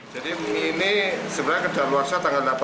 sebenarnya kadal warsa tanggal delapan